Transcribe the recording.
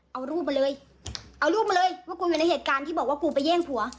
เอารูปมาเลยเอารูปมาเลยว่ากูอยู่ในเหตุการณ์ที่บอกว่ากูไปแย่งผัว